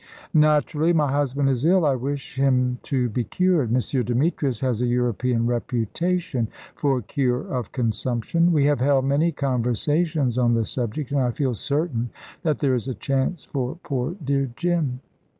"Naturally! My husband is ill. I wish him to be cured. M. Demetrius has a European reputation for cure of consumption. We have held many conversations on the subject, and I feel certain that there is a chance for poor dear Jim."